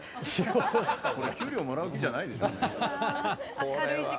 これ給料もらう気じゃないでしょうね。